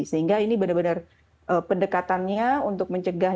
sehingga ini benar benar pendekatannya untuk mencegah